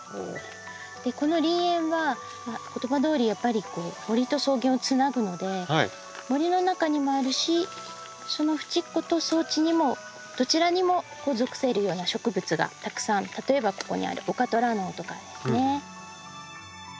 この林縁は言葉どおりやっぱり森と草原をつなぐので森の中にもあるしそのふちっこと草地にもどちらにも属せるような植物がたくさん例えばここにあるオカトラノオとかですね。